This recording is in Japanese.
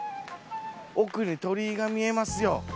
奥に鳥居が見えますよ。